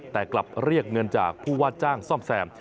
แต่กลับเรียกเงินจากผู้ว่าจ้างซ่อมแซม